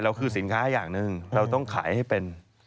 คือสินค้าอย่างหนึ่งเราต้องขายให้เป็น